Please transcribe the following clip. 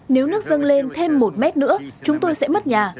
nếu nước dâng lên thêm một mét nữa chúng tôi sẽ mất nhà